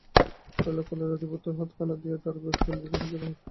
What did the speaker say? সরলা কোলের উপর আদিত্যের হাতখানা নিয়ে তার উপরে ধীরে ধীরে হাত বুলিয়ে দিতে লাগল।